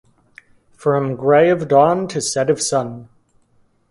From gray of dawn to set of sun!